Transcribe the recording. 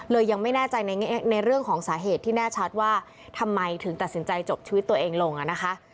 ยังไม่แน่ใจในเรื่องของสาเหตุที่แน่ชัดว่าทำไมถึงตัดสินใจจบชีวิตตัวเองลงอ่ะนะคะ